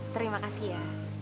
terima kasih ya